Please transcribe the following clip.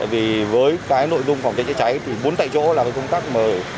vì với cái nội dung phòng cháy chữa cháy thì bốn tại chỗ là công tác mời